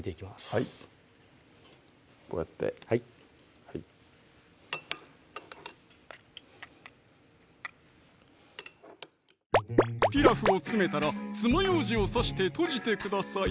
はいこうやってはいピラフを詰めたらつまようじを刺して閉じてください